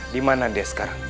dimana dia sekarang